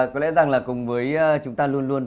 có lẽ rằng là cùng với chúng ta luôn luôn